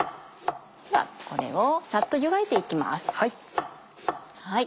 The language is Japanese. ではこれをサッと湯がいていきます。